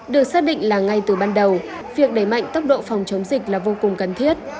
được xác định là ngay từ ban đầu việc đẩy mạnh tốc độ phòng chống dịch là vô cùng cần thiết